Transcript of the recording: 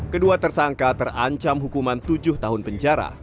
kedua tersangka terancam hukuman tujuh tahun penjara